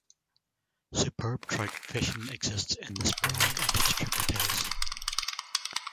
Superb trout fishing exists in the Sprague and its tributaries.